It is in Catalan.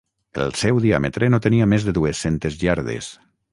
El seu diàmetre no tenia més de dues-centes iardes.